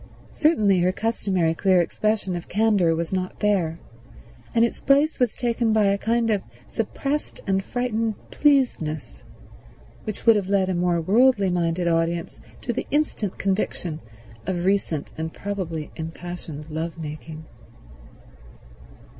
Certainly her customary clear expression of candor was not there, and its place was taken by a kind of suppressed and frightened pleasedness, which would have led a more worldly minded audience to the instant conviction of recent and probably impassioned lovemaking.